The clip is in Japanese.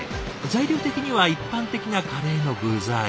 材料的には一般的なカレーの具材。